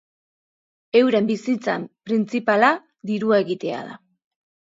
Euren bizitzan printzipala, dirua egitea da.